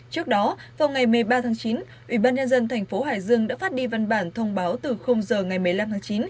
trước đó vào ngày một mươi ba tháng chín ủy ban nhân dân thành phố hải dương đã phát đi văn bản thông báo từ giờ ngày một mươi năm tháng chín